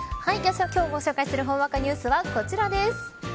今日、ご紹介するほんわかニュースはこちらです。